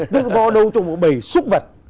tức do đâu trong một bầy xúc vật